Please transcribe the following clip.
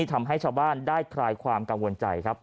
ทำให้ชาวบ้านได้คลายความกังวลใจครับ